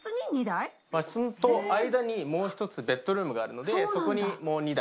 和室と間にもう１つベッドルームがあるのでそこにもう２台。